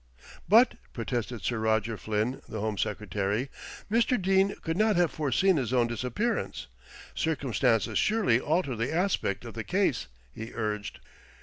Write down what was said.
"But," protested Sir Roger Flynn, the Home Secretary, "Mr. Dene could not have foreseen his own disappearance. Circumstances surely alter the aspect of the case," he urged.